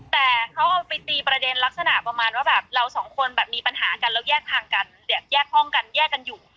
แต่เขาเอาไปตีประเด็นลักษณะประมาณว่าแบบเราสองคนแบบมีปัญหากันแล้วแยกทางกันแบบแยกห้องกันแยกกันอยู่